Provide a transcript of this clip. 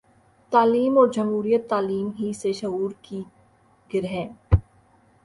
تعلیم اور جمہوریت تعلیم ہی سے شعور کی گرہیں